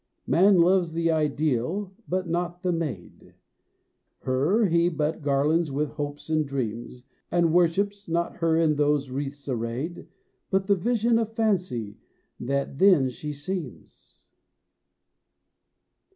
Man loves the ideal and not the maid; Her he but garlands with hopes and dreams, And worships, not her in those wreaths arrayed, But the vision of fancy that then she seems.